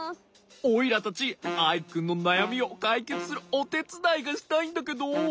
オイラたちアイくんのなやみをかいけつするおてつだいがしたいんだけど。